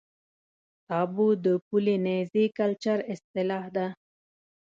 تابو د پولي نیزي کلچر اصطلاح ده.